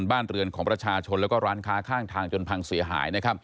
บ้านเรือนของประชาชนแล้วก็ร้านค้าข้างทางจนพังเสียหาย